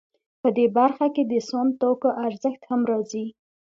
په دې برخه کې د سون توکو ارزښت هم راځي